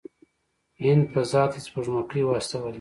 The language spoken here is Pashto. هند فضا ته سپوږمکۍ واستولې.